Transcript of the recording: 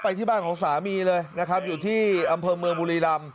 ที่บ้านของสามีเลยนะครับอยู่ที่อำเภอเมืองบุรีรำ